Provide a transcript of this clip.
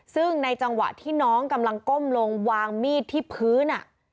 ซึ่งในจังหวะที่น้องกำลังก้มลงวางมีดที่พื้น